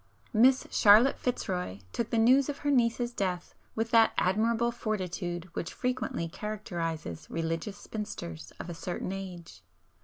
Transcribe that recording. Miss Charlotte Fitzroy took the news of her niece's death with that admirable fortitude which frequently characterizes religious spinsters of a certain age.